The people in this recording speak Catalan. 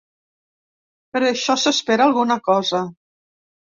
Per això s’espera alguna cosa.